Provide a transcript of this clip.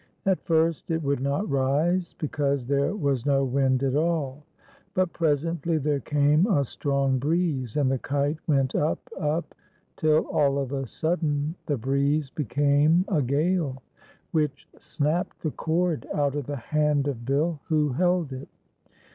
At first it would not rise, because there was no wind at all; but presently there came a strong breeze, and the kite went up, up, till all of a sudden the breeze became a gale, which snapped the cord out of the hand of Bill, who held it.